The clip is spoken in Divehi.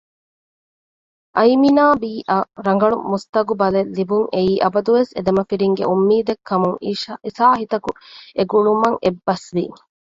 އައިމިނާބީއަށް ރަނގަޅު މުސްތަޤުބަލެއް ލިބުންއެއީ އަބަދުވެސް އެދެމަފިރިންގެ އުންމީދެއްކަމުން އިސާހިތަކު އެގުޅުމަށް އެއްބަސްވި